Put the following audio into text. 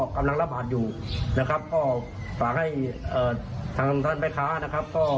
กำลังระบาดอยู่นะครับก็ฝากให้ทางท่านแม่ค้านะครับ